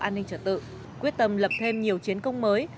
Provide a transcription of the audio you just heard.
an ninh trật tự quyết tâm lập thêm nhiều chiến công mới